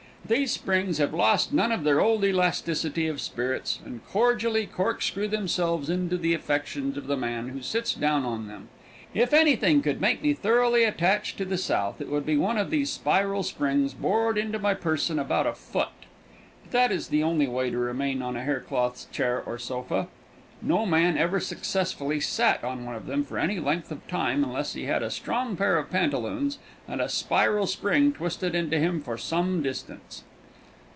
These springs have lost none of their old elasticity of spirits, and cordially corkscrew themselves into the affections of the man who sits down on them. If anything could make me thoroughly attached to the South it would be one of these spiral springs bored into my person about a foot. But that is the only way to remain on a hair cloth chair or sofa. No man ever successfully sat on one of them for any length of time unless he had a strong pair of pantaloons and a spiral spring twisted into him for some distance.